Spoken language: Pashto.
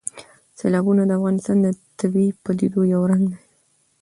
سیلابونه د افغانستان د طبیعي پدیدو یو رنګ دی.